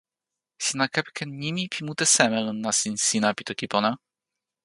sina kepeken nimi pi mute seme lon nasin sina pi toki pona?